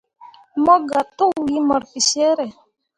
Mobga tokwii mur bicere.